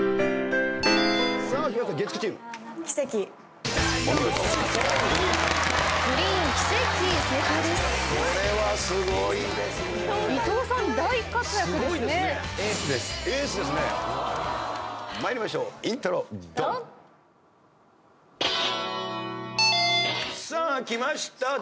さあ来ました